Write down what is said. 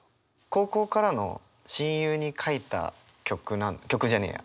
高校からの親友に書いた曲なん曲じゃねえや！